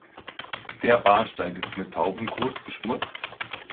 Der Bahnsteig ist mit Taubenkot beschmutzt.